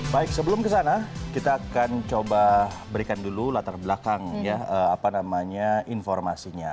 baik sebelum kesana kita akan coba berikan dulu latar belakang ya apa namanya informasinya